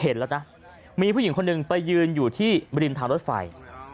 เห็นแล้วนะมีผู้หญิงคนหนึ่งไปยืนอยู่ที่ริมทางรถไฟ